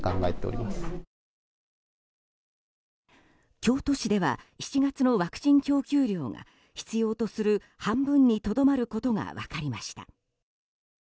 京都市では７月のワクチン供給量が必要とする半分にとどまることが分かりました。